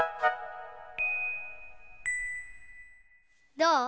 どう？